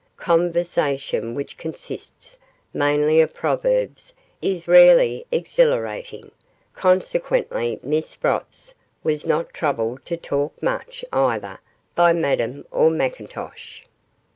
Conversation which consists mainly of proverbs is rarely exhilarating; consequently Miss Sprotts was not troubled to talk much, either by Madame or McIntosh.